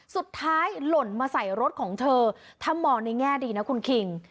หล่นมาใส่รถของเธอถ้ามองในแง่ดีนะคุณคิง